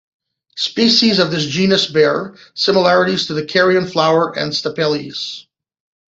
Species of this genus bear similarities to the carrion flowers or stapelias.